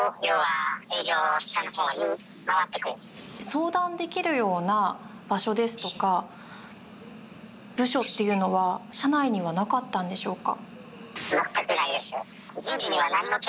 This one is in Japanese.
相談できるような場所ですとか部署というのは社内にはなかったんでしょうか。